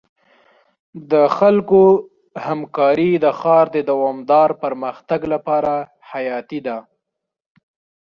د خلکو همکاري د ښار د دوامدار پرمختګ لپاره حیاتي ده.